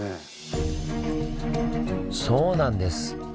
そうなんです！